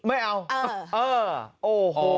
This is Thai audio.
ไม่เอาเออโอ้โห